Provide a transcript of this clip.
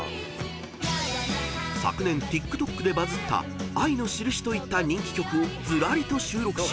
［昨年ＴｉｋＴｏｋでバズった『愛のしるし』といった人気曲をずらりと収録し］